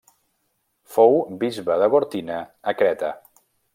Fou bisbe de Gortina a Creta.